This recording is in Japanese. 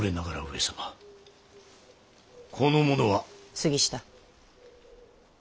杉下。